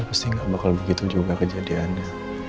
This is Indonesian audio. pasti gak bakal begitu juga kejadiannya